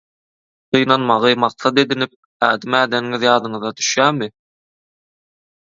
Gynanmagy maksat edinip ädim ädeniňiz ýadyňyza düşýärmi?